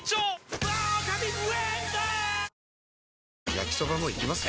焼きソバもいきます？